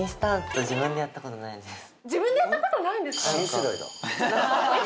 自分でやったことないんですか？